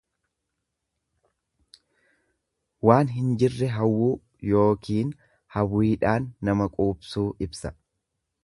Waan hin jirre hawwuu yookiin hawwiidhaan nama qubsuu ibsa.